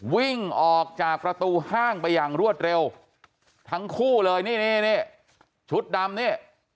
วิ่งออกจากประตูห้างไปอย่างรวดเร็วทั้งคู่เลยนี่นี่ชุดดำนี่